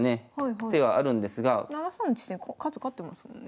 ７三の地点数勝ってますもんね。